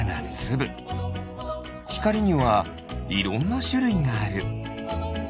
ひかりにはいろんなしゅるいがある。